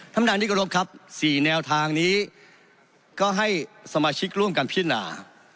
ท่านท่านนิกอรบครับสี่แนวทางนี้ก็ให้สมชิกร่วมกันพินา